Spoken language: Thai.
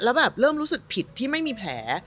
แล้วแบบเริ่มรู้สึกผิดที่ไม่มีแผล